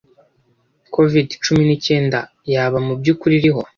covid cumi n'icyenda yaba mubyukuri iriho?